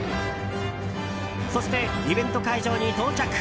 そして、イベント会場に到着。